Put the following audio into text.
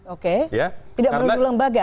oke tidak menuduh lembaga